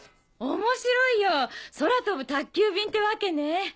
面白いよ空飛ぶ宅急便ってわけね。